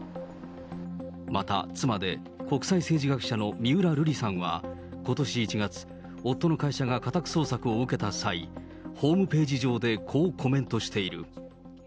また、妻で国際政治学者の三浦瑠麗さんは、ことし１月、夫の会社が家宅捜索を受けた際、ホームページ上でこうコメントしている。